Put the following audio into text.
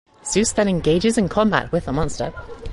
Zeus then engages in combat with the monster.